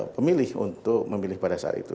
pemilih untuk memilih pada saat itu